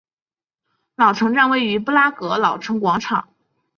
老城站位于布拉格老城广场。